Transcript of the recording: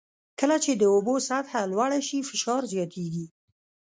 کله چې د اوبو سطحه لوړه شي فشار زیاتېږي.